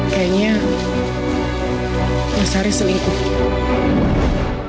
kayaknya mas aris selingkuh